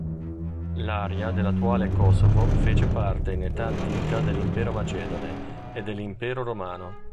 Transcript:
L'area dell'attuale Kosovo fece parte in età antica dell'Impero macedone e dell'Impero Romano.